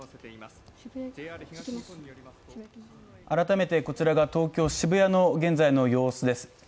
改めてこちらが東京・渋谷の現在の様子です